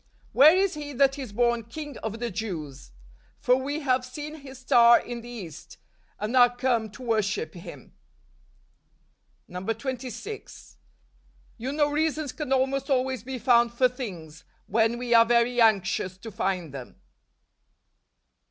" Where is he that is born King of the Jews? for wc have seen his star in the east , and are come to worship him ." 26. You know reasons can almost always be found for things, when we are very anxious to find them.